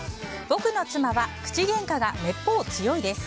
僕の妻は口げんかがめっぽう強いです。